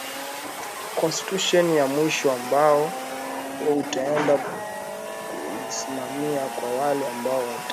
constitution ya mwisho ambao utaenda kulisimamia kwa wale ambao wataa